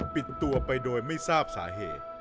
ปิดตัวไปโดยไม่ทราบสาเหตุ